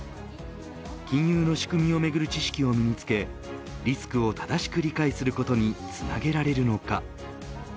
金融の仕組みをめぐる知識を身につけリスクを正しく理解することにつなげられるのか。